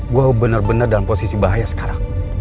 gue bener bener dalam posisi bahaya sekarang